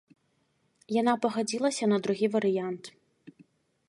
Яна пагадзілася на другі варыянт.